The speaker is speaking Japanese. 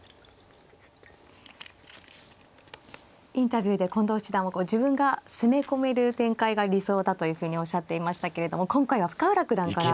インタビューで近藤七段はこう自分が攻め込める展開が理想だというふうにおっしゃっていましたけれども今回は深浦九段から。